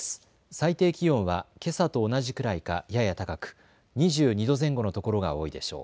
最低気温はけさと同じくらいかやや高く２２度前後のところが多いでしょう。